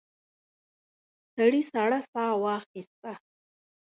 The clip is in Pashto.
سړي سړه ساه واخيسته.